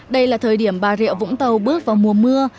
đây là thời điểm bà rịa vũng tàu bước vào mùa mưa